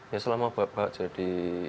ya selama bapak jadi